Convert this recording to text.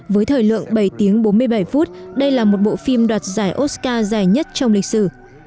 với thời lượng bảy tiếng bốn mươi bảy phút đây là một bộ phim đoạt giải oscar dài nhất trong lịch sử